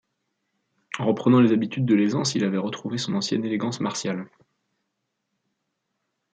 En reprenant les habitudes de l’aisance, il avait retrouvé son ancienne élégance martiale.